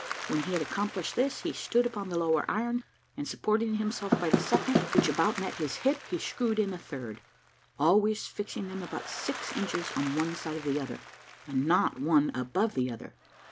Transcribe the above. When he had accomplished this, he stood upon the lower iron, and, supporting himself by the second, which about met his hip, he screwed in a third, always fixing them about six inches on one side of the other, and not one above the other.